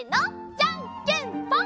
じゃんけんぽん！